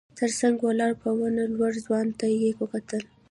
تر څنګ ولاړ په ونه لوړ ځوان ته يې وکتل.